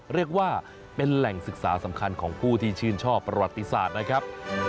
เรียกว่าเป็นแหล่งศึกษาสำคัญของผู้ที่ชื่นชอบประวัติศาสตร์นะครับ